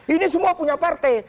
ini semua punya partai